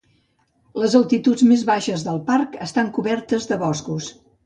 Les altituds més baixes del parc estan cobertes de boscos.